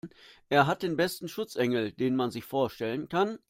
Er hat den besten Schutzengel, den man sich vorstellen kann.